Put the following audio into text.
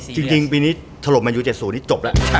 จริงปีนี้ถลบมันอยู่๐๗๐เป็นเจ็บแล้ว